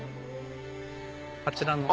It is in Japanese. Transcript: あちらの。